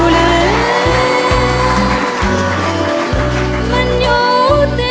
เหมาะอ่ะาล่ะ